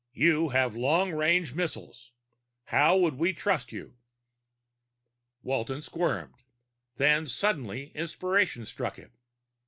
You have long range missiles. How might we trust you?" Walton squirmed; then sudden inspiration struck him.